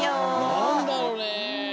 なんだろうね？